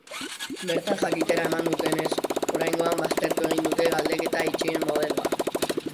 Bertan jakitera eman dutenez, oraingoan baztertu egin dute galdeketa itxien modeloa.